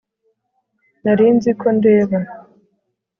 Nari nzi ko ndeba